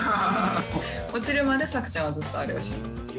落ちるまでさくちゃんはずっとあれをします。